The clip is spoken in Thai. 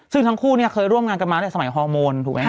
ซึ่งทั้งคู่เนี่ยเคยร่วมงานกันมาตั้งแต่สมัยฮอร์โมนถูกไหมฮ